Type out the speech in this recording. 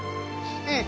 うん。